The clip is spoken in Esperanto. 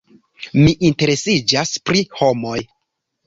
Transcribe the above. Mi interesiĝas pri homoj.